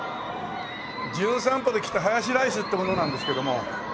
『じゅん散歩』で来たハヤシライスって者なんですけども。